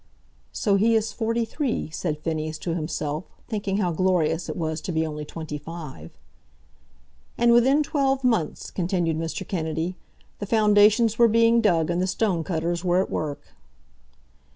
"So he is forty three," said Phineas to himself, thinking how glorious it was to be only twenty five. "And within twelve months," continued Mr. Kennedy, "the foundations were being dug and the stone cutters were at work."